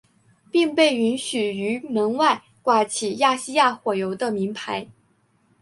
并被允许于门外挂起亚细亚火油的铭牌。